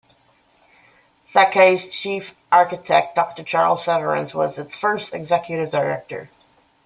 Sakai's chief architect, Doctor Charles Severance, was its first Executive Director.